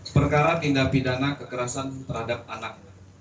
perkara tindak pidana kekerasan terhadap anak